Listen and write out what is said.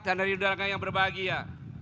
dan dari udara yang berbahagia